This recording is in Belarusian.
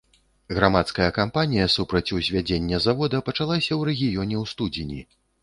Грамадская кампанія супраць узвядзення завода пачалася ў рэгіёне ў студзені.